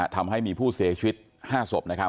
ทำให้มีผู้เสียชีวิต๕ศพ